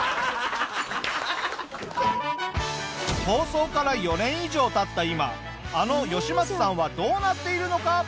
放送から４年以上経った今あのヨシマツさんはどうなっているのか？